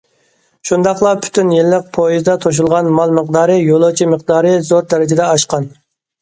شۇنداقلا پۈتۈن يىللىق پويىزدا توشۇلغان مال مىقدارى، يولۇچى مىقدارى زور دەرىجىدە ئاشقان.